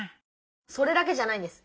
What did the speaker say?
それだけじゃないんです。